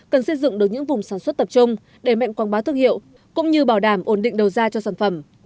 cần xây dựng được những vùng sản xuất tập trung để mạnh quảng bá thương hiệu cũng như bảo đảm ổn định đầu ra cho sản phẩm